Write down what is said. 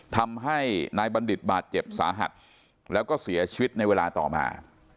ทำให้นายบัณฑิตบาดเจ็บสาหัสแล้วก็เสียชีวิตในเวลาต่อมา